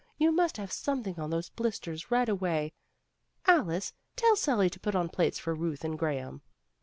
You must have something on those blisters right away. Alice, tell Sally to put on plates for Euth and Graham.